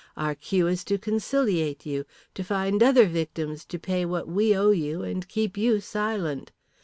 Our cue is to conciliate you, to find other victims to pay what we owe you and keep you silent.